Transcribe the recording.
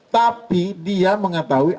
tapi dia mengetahui